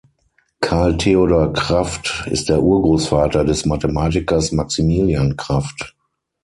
Karl Theodor Krafft ist der Urgroßvater des Mathematikers Maximilian Krafft.